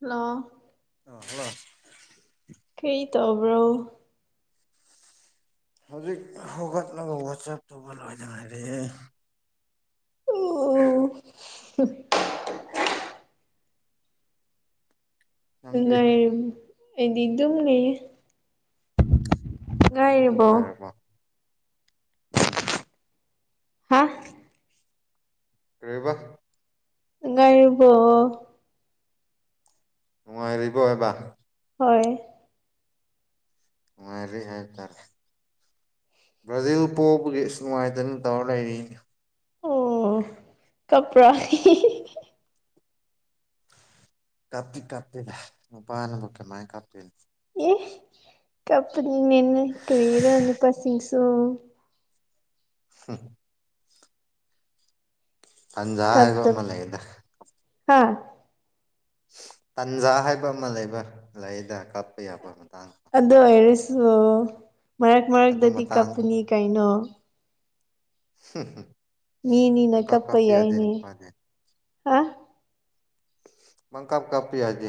ꯂꯣ ꯑ [inaudible] ꯀꯔꯤ ꯇꯧꯕ꯭ꯔꯣ ꯍꯧꯖꯤꯛ ꯍꯧꯒꯠꯅꯕ ꯋꯥꯆꯞꯇꯧꯕ ꯂꯣꯏꯗ ꯉꯔꯤꯌꯦ ꯑꯣ ꯑꯣ ꯅꯪꯗꯤ ꯉꯉꯥꯏ ꯑꯩꯗꯤ ꯑꯗꯨꯝꯅꯦꯌꯦ ꯁꯨ ꯞꯅꯔꯀꯣ ꯎꯝ ꯍꯥ ꯀꯦꯕ ꯀꯕꯣ ꯅꯨꯡꯉꯥꯏꯔꯤꯕꯣ ꯍꯥꯏꯕ ꯍꯣꯏ ꯉꯔꯤ ꯍꯥꯏ ꯇꯔ ꯕ꯭ꯔꯥꯖꯤꯜ ꯄꯣꯛꯄꯒꯤ ꯑꯁꯨ ꯅꯨꯡꯉꯥꯏꯇꯅ ꯇꯧꯔ ꯂꯩꯔꯤ ꯑꯣ ꯀꯄꯔꯥ ꯀꯄꯤꯤ ꯀꯄꯤꯄꯅꯦ ꯃꯥꯥꯏ ꯀꯄꯤꯅꯤ ꯀꯄꯅꯤꯅ ꯀꯔꯤꯦꯔ ꯅꯨꯄꯥꯁꯤꯁꯨꯣ ꯍ ꯑꯟꯖꯥ ꯍꯥꯏꯒꯣ ꯑꯃ ꯀꯞꯇꯕ ꯂꯩꯒꯗ ꯍꯥ ꯇꯟꯖꯥ ꯍꯥꯏꯕ ꯑꯃ ꯂꯩꯕ ꯂꯔꯤꯗ ꯀꯥꯞꯄ ꯌꯥꯕ ꯑꯃ ꯑꯗꯨ ꯑꯣꯏꯔꯁꯨ ꯃꯔꯛ ꯑꯗꯨ ꯃꯔꯛꯇꯗꯤ ꯃꯇꯥꯡ ꯀꯞꯄꯨꯅꯤ ꯀꯩꯅꯣ ꯍ ꯍꯝ ꯃꯤꯅꯤꯅ ꯀꯞꯄ ꯌꯥꯏꯅꯦ ꯅꯨꯄꯥꯗꯤ ꯍꯥ ꯃꯪ ꯀꯥꯞ ꯀꯥꯄꯤꯤ ꯍꯥꯏꯖꯤ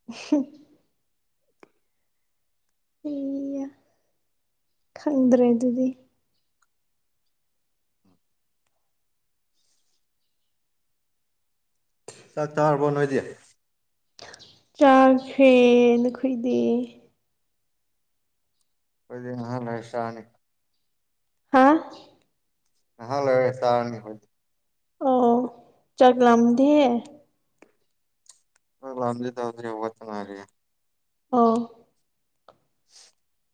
[inaudible] ꯍ ꯈꯪꯗ꯭ꯔꯦ ꯑꯗꯨꯗꯤ ꯆꯥꯛ ꯇꯥꯍꯔꯕ ꯅꯣꯏꯗꯦ ꯆꯥꯛꯈꯦ ꯅꯈꯣꯏꯗꯤ ꯑꯣꯏꯣꯏꯗꯤ ꯂꯩꯁꯥꯅꯤ ꯍꯥ ꯍꯂꯦ ꯆꯔꯅꯤ ꯍꯣꯏ ꯑꯣ ꯆꯠꯂꯝꯂꯝꯗꯦ ꯂꯗꯤ ꯇꯥꯎꯗꯔꯤ ꯋꯥꯗ ꯃꯥꯔꯦ ꯑ [inaudible]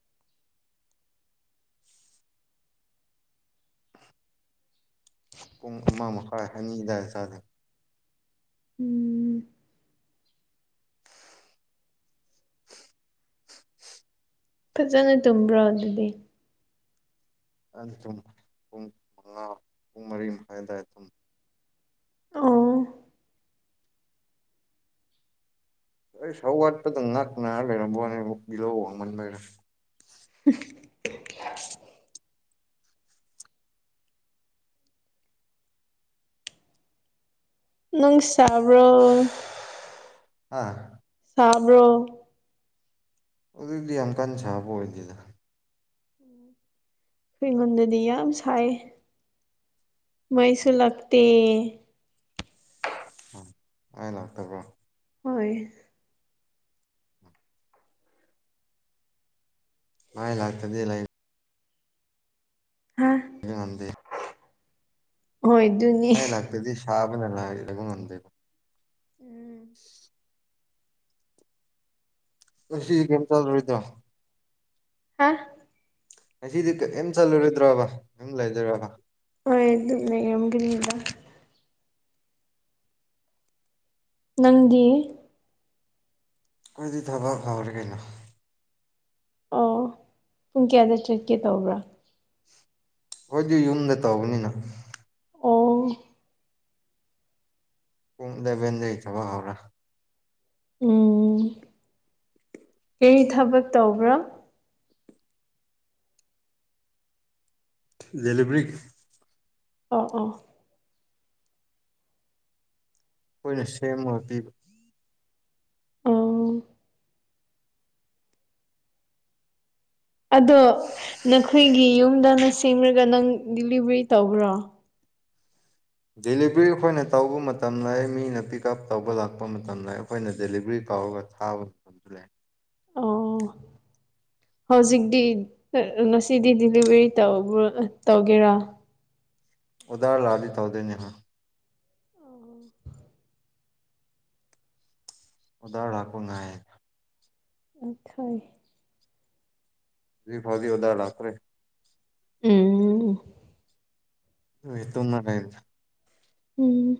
ꯄꯨꯡ ꯑꯃ ꯃꯈꯥꯏ ꯑꯅꯤꯗꯏ ꯆꯥꯖ ꯎꯝ [inaudible] ꯐꯖꯅ ꯇꯨꯝꯕ꯭ꯔꯣ ꯑꯗꯨꯗꯤ ꯑꯗꯨꯝ ꯄꯨꯡ ꯃꯉꯥ ꯄꯨꯡ ꯃꯔꯤ ꯃꯈꯥꯏꯋꯥꯏ ꯑꯗꯨꯝ ꯑꯥ ꯁꯧ ꯋꯥꯗ ꯄꯗꯨ ꯅꯀꯂ ꯃ ꯅꯪ ꯆꯕ꯭ꯔꯣ ꯑꯥ ꯊꯥꯕꯔꯣ ꯑꯗꯨꯏꯗꯤ ꯌꯥꯝ ꯀꯟꯅ ꯁꯥꯕ ꯑꯣꯏꯗꯦꯗ ꯑꯩꯈ ꯑꯩꯉꯣꯟꯗꯗꯤ ꯌꯥꯝ ꯁꯥꯏ ꯃꯩꯁꯨ ꯎꯝ ꯂꯛꯇꯦ ꯍꯦ ꯎ ꯑ ꯂꯥꯛꯇꯕ꯭ꯔꯣ ꯍꯣꯏ ꯃꯥꯏ ꯂꯥꯛꯇꯥꯗꯤ ꯂ ꯍꯥ ꯉꯗꯦ ꯍꯣꯏ ꯑꯗꯨꯅꯤ ꯑꯂ ꯌꯦꯂꯝ ꯉꯗ ꯀꯁꯤ ꯀꯝ ꯆꯔꯣꯏꯗ ꯍꯥ ꯉꯁꯤꯗꯤ ꯀꯝ ꯆꯠꯂꯨꯔꯣꯏꯗ꯭ꯔꯣꯕ ꯀ ꯂꯩꯗꯣꯏ꯭ꯔꯕ ꯑ ꯑꯗꯨ ꯂꯩꯒꯅꯤꯗ ꯅꯪꯗꯤ ꯑꯩꯈꯣꯏꯗꯤ ꯊꯕꯛ ꯐꯥꯎꯔꯦ ꯀꯩꯅꯣ ꯑꯣ ꯄꯨꯡ ꯀꯌꯥꯗ ꯆꯠꯀꯦ ꯇꯧꯕ꯭ꯔꯥ ꯍꯣꯏꯗꯤ ꯌꯨꯝꯗ ꯇꯧꯕꯅꯤꯅ ꯑꯣ ꯄꯨꯡꯗ ꯕꯦꯟꯗꯩ ꯊꯕ ꯍꯧꯥꯎꯔꯥ ꯑꯩ ꯊꯕꯛ ꯇꯧꯕ꯭ꯔꯥ ꯂꯤꯕꯔꯤ ꯑ ꯑꯥ ꯑꯩꯈꯣꯏꯅ ꯁꯦꯝꯃꯒ ꯄꯤꯕ ꯑ ꯑꯗꯣ ꯅꯈꯣꯏꯒꯤ ꯌꯨꯝꯗꯅ ꯁꯦꯝꯂꯒ ꯅꯪ ꯗꯤꯂꯤꯚꯔꯤ ꯇꯧꯕ꯭ꯔꯣ ꯗꯦꯂꯤꯚꯔꯤ ꯑꯩꯈꯣꯏꯅ ꯇꯧꯕ ꯃꯇꯝꯗ ꯃꯤꯅ ꯄꯤꯛ ꯎꯞ ꯇꯧꯕ ꯂꯥꯛꯄ ꯃꯇꯝꯗ ꯑꯩꯈꯣꯏꯅ ꯗꯦꯂꯤꯚꯔꯤ ꯀꯥꯎꯒ ꯊꯥꯕꯗꯨ ꯂꯩ ꯑꯣ ꯍꯧꯖꯤꯛꯇꯤ ꯉꯁꯤꯗꯤ ꯗꯤꯂꯤꯚꯔꯤ ꯇꯧꯒꯦꯔꯥ ꯎꯗꯔ ꯂ ꯑꯗꯤ ꯊꯧꯗꯅꯦꯍ ꯎꯗꯔ ꯂꯥꯛꯀꯣ ꯉꯑ ꯑꯈꯣꯏ ꯑꯗꯨ ꯐꯥꯎꯖꯤ ꯑꯣꯥ ꯂꯥꯛꯇ꯭ꯔꯦ ꯎꯝ ꯍ ꯇꯣꯅꯔ ꯎꯝ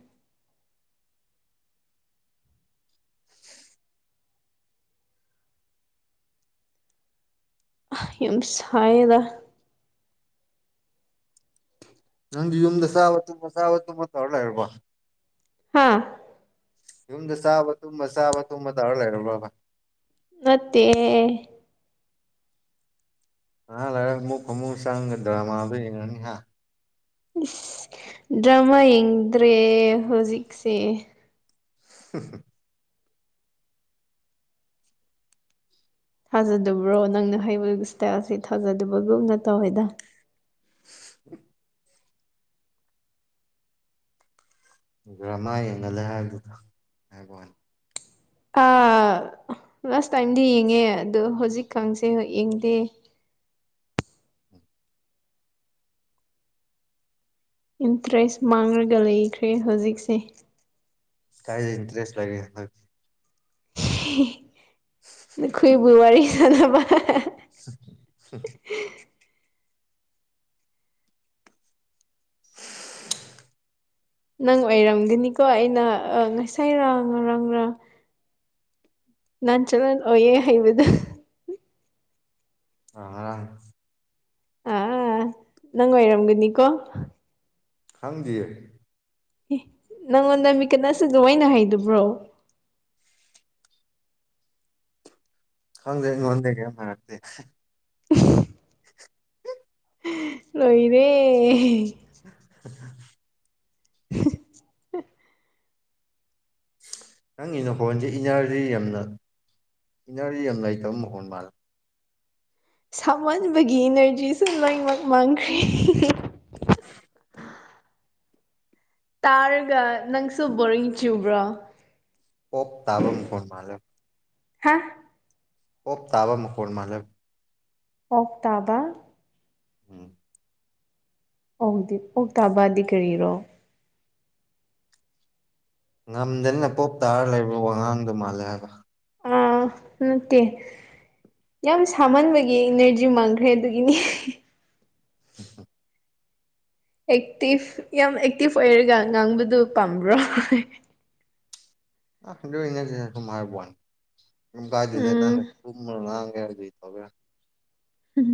ꯌꯁꯥꯏꯗ ꯅꯪ ꯌꯨꯝꯗ ꯁꯕ ꯇꯨꯝꯕ ꯁꯕ ꯇ ꯃ ꯑꯣꯏꯔꯂꯔꯕ ꯍꯥꯥ ꯌꯨꯝꯗ ꯆꯥꯕ ꯇꯨꯝꯕ ꯆꯥꯕ ꯇꯨꯝꯕ ꯇꯧꯔ ꯂꯩꯔꯕꯕ ꯅꯠꯇꯦ ꯑ ꯂꯔ ꯑꯃꯨꯛ ꯑꯃꯨꯛ ꯆꯪꯒꯗ꯭ꯔꯃꯥꯗꯨ ꯌꯦꯡꯉꯅꯤ ꯍꯥꯏ ꯏꯁ ꯗ꯭ꯔꯃꯥ ꯌꯦꯡꯗ꯭ꯔꯦ ꯍꯧꯖꯤꯛꯁꯦ [inaudible] ꯊꯥꯖꯗꯕ꯭ꯔꯣ ꯅꯪꯅ ꯍꯩꯕꯒꯤ ꯏꯁꯇꯥꯏꯜꯁꯤ ꯊꯥꯖꯗꯕꯒꯨꯝꯅ ꯇꯧꯋꯦꯗ [inaudible] ꯒ꯭ꯔꯃꯥ ꯌꯦꯡꯍꯜꯂꯦ ꯍꯥꯏꯕꯗꯨꯗ ꯍꯥꯏꯕ ꯋꯥꯅꯤ ꯑ ꯂꯥꯁ ꯇꯥꯏꯝꯗꯤ ꯌꯦꯡꯉꯦ ꯑꯗ ꯍꯧꯖꯤꯛ ꯈꯪꯁꯦ ꯍ ꯌꯦꯡꯗꯦ ꯏꯟꯇꯔꯦꯁ ꯃꯥꯡꯂꯒ ꯂꯩꯈ꯭ꯔꯦ ꯍꯧꯖꯤꯛꯁꯦ ꯀꯥꯏ ꯏꯟꯇꯔꯦꯁ ꯂꯦ ꯅꯈꯣꯏꯕꯨ ꯄꯨꯋꯥ ꯋꯥꯔꯤꯔꯤ ꯁꯗꯅꯕ [inaudible] ꯅꯪ ꯑꯣꯏꯔꯝꯒꯅꯤꯀꯣ ꯑꯩꯅ ꯉꯁꯥꯏꯔ ꯉꯔꯥꯡꯒ ꯅꯥꯟ ꯆꯂꯌꯦꯦ ꯍꯩꯕꯗ ꯑꯥ ꯑ ꯅꯪ ꯑꯣꯏꯔꯒꯅꯤꯀꯣ ꯈꯪꯗꯦ ꯅꯪꯉꯣꯟꯗ ꯃꯤꯀꯠ ꯑꯁꯤꯗ ꯑꯣꯏꯅ ꯍꯥꯏꯗꯕ꯭ꯔꯣ ꯈꯪꯗꯦ ꯑꯩꯉꫭꯟꯗ ꯀꯩꯝ ꯍꯥꯏꯔꯛꯇꯦ ꯂꯣꯏꯔꯦ [inaudible] ꯅꯪꯉꯤꯅ ꯍꯣꯟꯁꯦ ꯏꯅꯔꯖꯤ ꯌꯥꯝꯅ ꯏꯅꯔꯖꯤ ꯌꯥꯝ ꯂꯩꯇꯕ ꯃꯈꯣꯟꯜ ꯃꯥꯜꯂꯦ ꯁꯥꯃꯟꯕꯒꯤ ꯏꯅꯔꯖꯤꯁꯨ ꯂꯪꯃꯛ ꯃꯥꯡꯈ꯭ꯔꯦ [inaudible] ꯇꯥꯔꯒ ꯅꯪꯁꯨ ꯕꯣꯔꯤꯡ ꯆꯨꯕ꯭ꯔꯣ ꯄꯣꯞ ꯇꯥꯕ ꯃꯈꯣꯟ ꯍꯥ ꯑꯣꯞ ꯇꯥꯕ ꯃꯈꯣꯟ ꯃꯥꯂꯞ ꯑꯣꯛ ꯇꯥꯕ ꯎꯝ ꯑꯣꯗꯤ ꯑꯣ ꯇꯕꯥꯗꯤ ꯀꯔꯤꯔꯣ ꯉꯝꯗꯅꯤꯅ ꯄꯣꯞ ꯇꯥꯔ ꯂꯩꯕ꯭ꯔꯣ ꯋꯥꯉꯥꯡꯗꯣ ꯃꯥꯜꯂꯦ ꯍꯥꯏꯕ ꯑꯥ ꯃꯠꯇꯦ ꯌꯥꯝ ꯁꯥꯍꯟꯕꯒꯤ ꯏꯅꯔꯖꯤ ꯃꯥꯡꯈ꯭ꯔꯦ ꯑꯗꯨꯒꯤꯅꯤ [inaudible] ꯑꯦꯛꯇꯤꯚ ꯌꯥꯝ ꯑꯦꯛꯇꯤꯚ ꯑꯣꯏꯔꯒ ꯉꯥꯡꯕꯗꯨ ꯄꯥꯝꯕ꯭ꯔꯣ ꯑꯗ ꯃꯥꯔꯕꯅꯤ ꯥꯏꯗꯗ ꯎꯝ ꯀ ꯇꯕ ꯍꯝ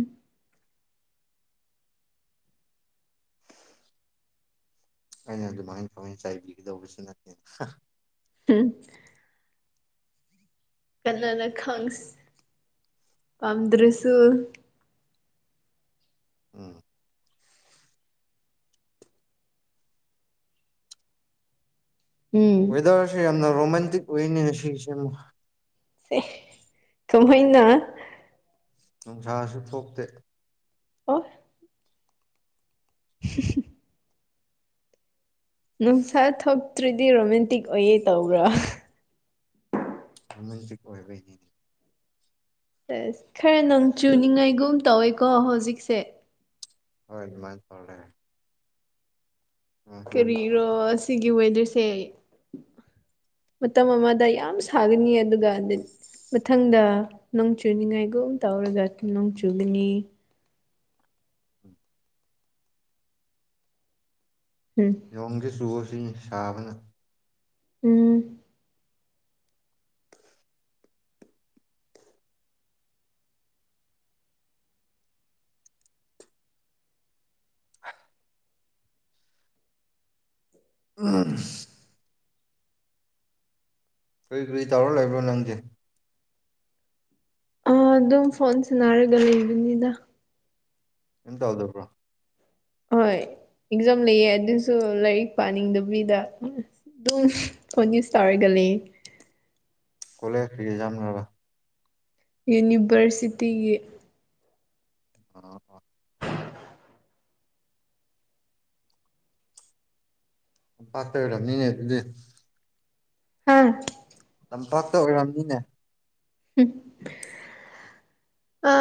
ꯑꯩꯅ ꯑꯗꯨꯃꯥꯏꯅ ꯊꯃꯅ ꯆꯥꯏꯕꯤꯒꯗꯧꯕꯁꯨ ꯅꯠꯇꯦ ꯎꯝ ꯀꯟꯅꯅ ꯈꯪꯁ ꯄꯥꯝꯗ꯭ꯔꯁꯨ ꯎꯝ ꯎꯝ ꯑꯣꯏꯗꯔꯁꯤ ꯌꯥꯝꯅ ꯔꯣꯃꯟꯇꯛ ꯑꯣꯏꯅꯤ ꯉꯁꯤꯒꯤꯁꯤ ꯀꯃꯥꯏꯅ ꯅꯨꯡꯁꯥꯁꯨ ꯊꯣꯛꯇꯦ ꯑꯣ [unintelligible] ꯅꯨꯡꯁꯥ ꯊꯣꯛꯇ꯭ꯔꯤꯗꯤ ꯔꯣꯃꯦꯟꯇꯤꯛ ꯑꯣꯏꯌꯦ ꯇꯧꯕ꯭ꯔꯥ ꯔꯣꯃꯟꯇꯤꯛ ꯑꯣꯏꯕ ꯑꯁ ꯈꯔ ꯅꯨꯡ ꯆꯨꯅꯤꯡꯉꯥꯏꯒꯨꯝ ꯇꯧꯋꯦꯀꯣ ꯍꯧꯖꯤꯛꯁꯦ ꯍꯣꯏꯃꯥꯏ ꯇꯧꯔꯦ ꯀꯔꯤꯔꯣ ꯐꯅꯤ ꯑꯁꯤꯒꯤ ꯋꯦꯗꯔꯁꯦ ꯃꯇꯝ ꯑꯃꯗ ꯌꯥꯝ ꯁꯥꯒꯅꯤ ꯑꯗꯨꯒ ꯃꯊꯪꯗ ꯅꯣꯡ ꯆꯨꯅꯤꯉꯥꯏꯒꯨꯝ ꯇꯧꯔꯒ ꯅꯣꯡ ꯆꯨꯒꯅꯤ ꯎꯝ ꯂꯣꯡꯒꯤ ꯁꯨꯒꯁꯤ ꯁꯥꯕꯅ ꯎꯝ [unintelligible] ꯀꯔꯤ ꯀꯔꯤ ꯇꯧꯔ ꯂꯩꯕ꯭ꯔꯣ ꯅꯪꯗꯤ ꯑ ꯑꯗꯨꯝ ꯐꯣꯟ ꯁꯟꯅꯔꯒ ꯂꯩꯕꯅꯤꯗ ꯀꯦꯝ ꯇꯥꯎꯗꯕ꯭ꯔꯣ ꯍꯣꯏ ꯑꯦꯛꯖꯥꯝ ꯂꯩꯌꯦ ꯑꯗꯨꯁꯨ ꯂꯥꯏꯔꯤꯛ ꯄꯥꯅꯤꯡꯗꯕꯤꯗ ꯑꯗꯨꯝ ꯐꯣꯟ꯭ꯌꯨꯁ ꯇꯧꯔꯒꯂ ꯑꯦ ꯀꯣꯂꯦꯖ ꯀꯔꯤ ꯑꯦꯖꯝ ꯂꯣꯏꯔꯕ ꯌꯨꯅꯤꯚꯔꯁꯤꯇꯤꯒꯤ ꯑ ꯄꯠꯇ ꯑꯣꯏꯔꯝꯅꯤꯅꯦ ꯑꯗꯨꯗꯤ ꯍꯥꯥ ꯂꯝꯄꯥꯛꯇ ꯑꯣꯏꯔꯝꯅꯤꯅꯦ ꯑ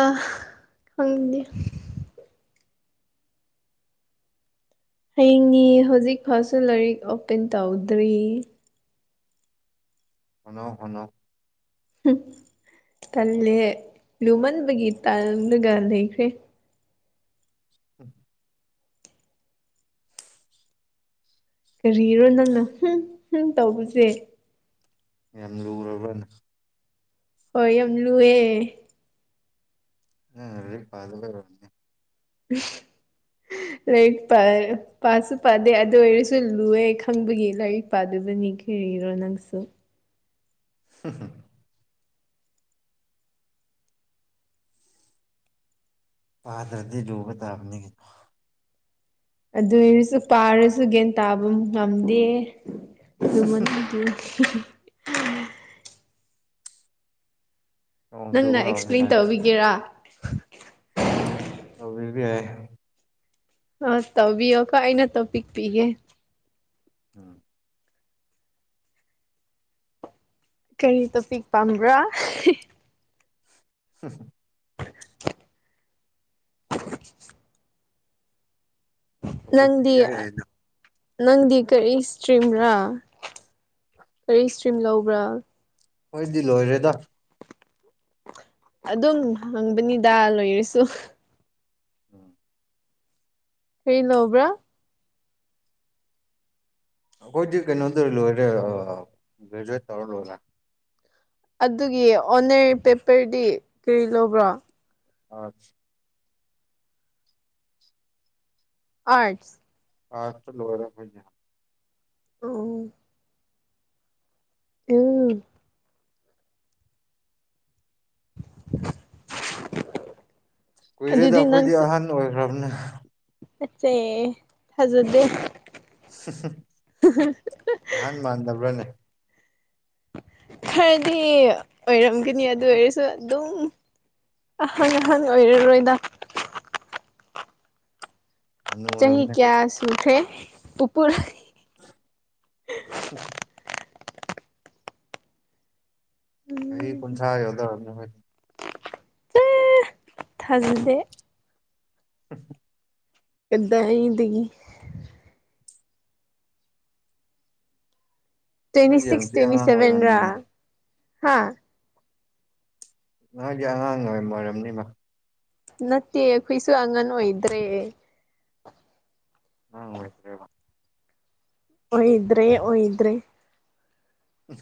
ꯍꯪꯗꯤ ꯍꯌꯦꯡꯅꯤ ꯍꯧꯖꯤꯛ ꯐꯥꯁꯨ ꯂꯥꯏꯔꯤꯛ ꯑꯣꯄꯦꯟ ꯇꯧꯗ꯭ꯔꯤ ꯍꯣꯅꯧ ꯍꯣꯅꯩ ꯍꯨꯝ ꯇꯜꯂꯦ ꯂꯨꯃꯟꯕꯒꯤ ꯇꯜꯂꯒ ꯂꯩꯈ꯭ꯔꯦ [inaudible] ꯀꯔꯤꯔꯣ ꯅꯪꯅ ꯍꯨꯝ ꯍꯨꯝ ꯇꯧꯕꯁꯦ ꯌꯥꯝ ꯂꯨꯔꯕ꯭ꯔꯅ ꯍꯣꯏ ꯌꯥꯝ ꯂꯨꯑꯦ ꯅꯪ ꯂꯔꯤꯛ ꯄꯥꯥꯗꯕꯩ ꯑꯣꯏꯔꯝꯅꯤ [unintelligible] ꯂꯥꯏꯔꯤꯛ ꯄꯥ ꯄꯥꯥꯁꯨ ꯄꯥꯗꯦ ꯑꯗꯨ ꯑꯣꯏꯔꯁꯨ ꯂꯨꯑꯦ ꯈꯪꯕꯒꯤ ꯂꯥꯏꯔꯤꯛ ꯄꯥꯗꯨꯕꯅꯤ ꯀꯩ ꯄꯤꯔꯣ ꯅꯪꯁꯨ [unintelligible] ꯄꯥꯗꯔ꯭ꯗꯤ ꯂꯨꯕ ꯇꯥꯕꯅꯤ ꯀꯩꯅꯣ ꯑꯗꯨ ꯑꯣꯏꯔꯁꯨ ꯄꯥꯔꯁꯨ ꯒꯦꯟ ꯇꯥꯕ ꯉꯝꯗꯦ ꯂꯨꯃꯟ [unintelligible] ꯅꯣꯡ ꯅꯪꯅ ꯆꯨꯕ ꯍꯧꯔꯦ ꯑꯦꯛꯁꯄ꯭ꯂꯦꯟ ꯁ꯭ꯋꯥꯏꯗ ꯇꯧꯕꯤꯒꯦꯔꯥ ꯇꯧꯕꯤꯕꯤꯕ ꯌꯥꯏ ꯑꯁ ꯇꯧꯕꯤꯌꯣ ꯀꯣ ꯑꯩꯅ ꯇꯣ ꯄꯤꯛ ꯄꯤꯒꯦ ꯎꯝ ꯀꯔꯤ ꯇꯣꯄꯤꯤꯛ ꯄꯥꯝꯕ꯭ꯔꯥ ꯍ [inaudible] ꯑꯣꯣꯏ ꯅꯪꯗꯤ ꯌꯥꯅ ꯅꯪꯗꯤ ꯀꯔꯤ ꯏꯁꯇ꯭ꯔꯤꯔꯥ ꯀꯔꯤ ꯏꯁꯇ꯭ꯔꯤꯝ ꯂꯧꯕ꯭ꯔꯥ ꯍꯣꯏꯗꯤ ꯂꯣꯏꯔꯦꯗ ꯑꯗꯨꯝ ꯍꯪꯕꯅꯤꯗ ꯂꯣꯏꯔꯁꯨ ꯎꯝ ꯀꯔꯤ ꯂꯕ꯭ꯔꯥ ꯀꯣꯏꯀ ꯅꯠꯇꯔ ꯂꯔꯖ ꯇꯧꯔ ꯂ ꯑꯗꯨꯒꯤ ꯑꯣꯟꯅꯔ ꯄꯦꯄꯔꯗꯤ ꯀꯔꯤ ꯂꯧꯕ꯭ꯔꯣ ꯑ ꯑꯥꯔꯠꯁ ꯑꯥ ꯆꯂꯣꯔ ꯐ ꯑ ꯑꯝ ꯀꯨꯏꯔꯦꯗ ꯑꯗꯨꯗꯤ ꯑꯩꯈꯣꯏꯗꯤ ꯑꯍꯟ ꯑꯣꯏꯈ꯭ꯔꯕꯅꯦ ꯑꯆꯦ ꯊꯖꯗ ꯅꯍꯥꯟ ꯃꯥꯟꯗꯕ꯭ꯔꯥꯅꯦ ꯈꯔꯗꯤ ꯑꯣꯏꯔꯝꯒꯅꯤ ꯑꯗꯨ ꯑꯣꯏꯔꯁꯨ ꯑꯗꯨꯝ ꯑꯍꯥꯡ ꯑꯍꯥꯡ ꯑꯣꯏꯔꯔꯣꯏꯗ ꯆꯍꯤꯍꯤ ꯍꯅꯨꯔꯕꯅꯦ ꯑꯩꯈꯣꯏ ꯀꯌꯥ ꯁꯁꯦ ꯎꯄꯨꯔ ꯑ ꯀꯔꯤ ꯀꯟꯁꯥ ꯌꯗ ꯑꯦ ꯊꯖꯂꯦ [inaudible] ꯀꯗ ꯍꯗꯗꯒꯤ ꯇ꯭ꯋꯦꯟꯇꯤ ꯅꯣꯏꯗꯤ ꯁꯤꯁ ꯍꯧꯖꯤꯛ ꯇ꯭ꯋꯦꯟꯇꯤ ꯑꯉꯥꯡ ꯁꯚꯦꯟ ꯔ ꯑꯣꯏꯔꯕꯅꯤꯅ ꯍꯥ ꯅꯣꯏꯒꯤ ꯑꯉꯥꯡ ꯑꯣꯏ ꯑꯣꯏꯔꯝꯅꯤꯃ ꯅꯠꯇꯦ ꯑꯩꯈꯣꯏꯁꯨ ꯑꯉꯟ ꯑꯣꯏꯗ꯭ꯔꯦ ꯎ ꯎ ꯐꯔ ꯑꯣꯏꯣꯏꯗ꯭ꯔꯦ ꯑꯣꯏꯗ꯭ꯔꯦ ꯎ